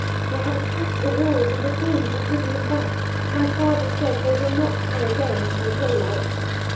"They have attacked the walls, and the thorns have driven them back. My father says they will not try again till daylight.